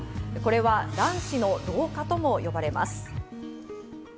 これは卵子の老化とも呼ばれます。